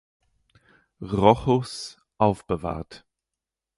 Rochus aufbewahrt.